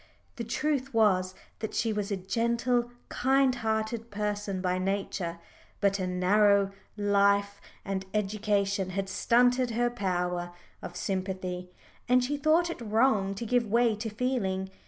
The truth was that she was a gentle, kind hearted person by nature, but a narrow life and education had stunted her power of sympathy, and she thought it wrong to give way to feeling.